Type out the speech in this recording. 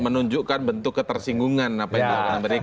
menunjukkan bentuk ketersinggungan apa yang dilakukan amerika